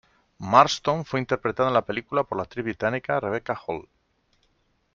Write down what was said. Marston fue interpretada en la película por la actriz británica Rebecca Hall.